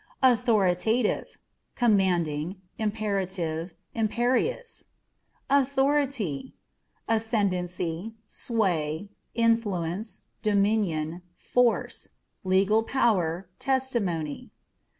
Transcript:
AUTHORiTATiVE ^commanding, imperative, imperious. Authority â€" ascendency, sway, influence, dominion, force : legal power, testimony.